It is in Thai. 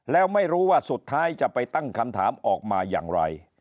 แล้วไม่รู้ว่าสุดท้ายจะไปตั้งคำถามออกมาอย่างไร